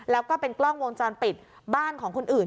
แล้วก็เป็นกล้องวงจรปิดบ้านของคนอื่น